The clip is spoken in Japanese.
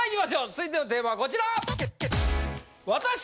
続いてのテーマはこちら！